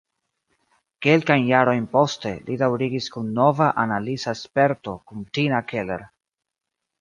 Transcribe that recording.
Kelkajn jarojn poste, li daŭrigis kun nova analiza sperto kun Tina Keller.